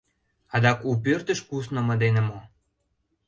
— Адак у пӧртыш куснымо дене мо?